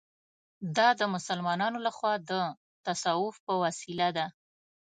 دا د مسلمانانو له خوا د تصوف په وسیله ده.